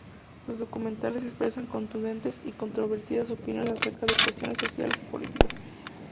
Sus documentales expresan contundentes y controvertidas opiniones acerca de cuestiones sociales y políticas.